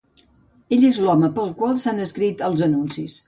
Ell és l'home per al qual s'han escrit els anuncis.